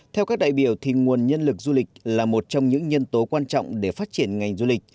theo các đại biểu nguồn nhân lực du lịch là một trong những nhân tố quan trọng để phát triển ngành du lịch